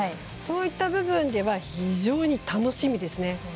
そういった部分では非常に楽しみですね。